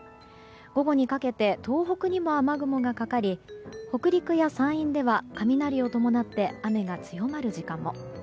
午後にかけて東北にも雨雲がかかり北陸や山陰では雷を伴って雨が強まる時間も。